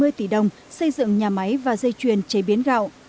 với tỷ đồng xây dựng nhà máy và dây chuyền chế biến gạo